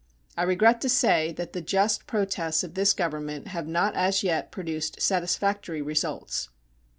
I regret to say that the just protests of this Government have not as yet produced satisfactory results.